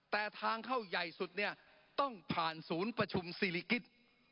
แต่ทางเข้าใหญ่สุดเนี่ยต้องผ่านศูนย์ประชุมศิริกิจ